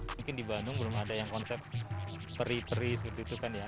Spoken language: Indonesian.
mungkin di bandung belum ada yang konsep peri peri seperti itu kan ya